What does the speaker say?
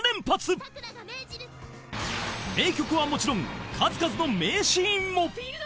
［名曲はもちろん数々の名シーンも］